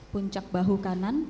puncak bahu kanan